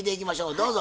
どうぞ。